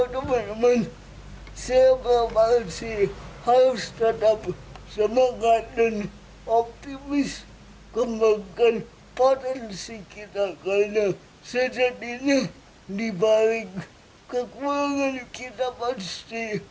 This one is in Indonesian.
dan optimis kembangkan potensi kita karena sejadinya dibalik kekurangan kita pasti